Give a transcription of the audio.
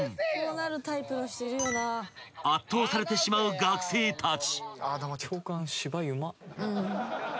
［圧倒されてしまう学生たち］